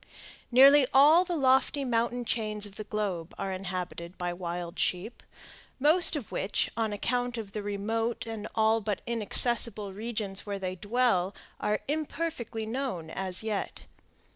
Nearly all the lofty mountain chains of the globe are inhabited by wild sheep, most of which, on account of the remote and all but inaccessible regions where they dwell, are imperfectly known as yet.